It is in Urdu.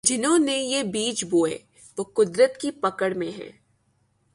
جنہوں نے یہ بیج بوئے وہ قدرت کی پکڑ میں ہیں۔